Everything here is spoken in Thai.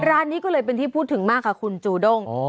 ร้านนี้ก็เลยเป็นที่พูดถึงมากค่ะคุณจูด้ง